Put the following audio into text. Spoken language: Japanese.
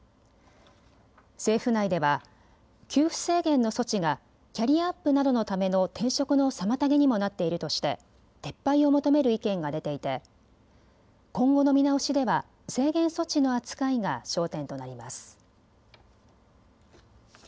政府内では給付制限の措置がキャリアアップなどのための転職の妨げにもなっているとして撤廃を求める意見が出ていて今後の見直しでは制限措置の扱いが焦点となります。